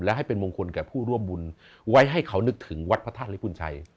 และให้เป็นมงคลแก่ผู้ร่วมบุญไว้ให้เขานึกถึงวัดพระธาตุลิปุณชัย